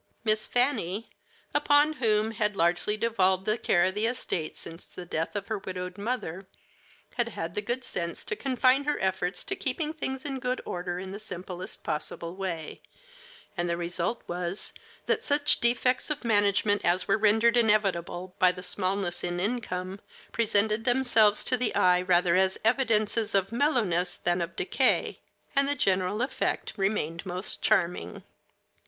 Miss Fanny, upon whom had largely devolved the care of the estate since the death of her widowed mother, had had the good sense to confine her efforts to keeping things in good order in the simplest possible way; and the result was that such defects of management as were rendered inevitable by the smallness in income presented themselves to the eye rather as evidences of mellowness than of decay, and the general effect remained most charming.